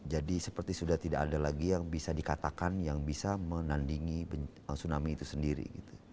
jadi seperti sudah tidak ada lagi yang bisa dikatakan yang bisa menandingi tsunami itu sendiri